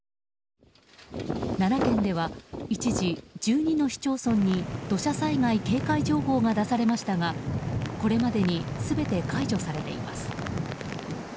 奈良県では一時１２の市町村に土砂災害警戒情報が出されましたがこれまでに全て解除されています。